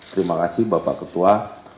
terima kasih bapak ketua